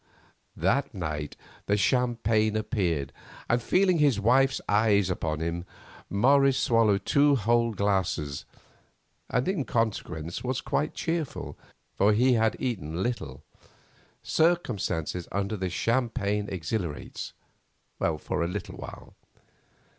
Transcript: That night the champagne appeared, and, feeling his wife's eyes upon him, Morris swallowed two whole glasses, and in consequence was quite cheerful, for he had eaten little—circumstances under which champagne exhilarates—for a little while.